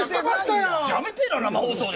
やめてえな、生放送で。